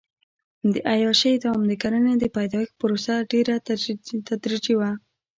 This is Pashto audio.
د عیاشۍ دام د کرنې د پیدایښت پروسه ډېره تدریجي وه.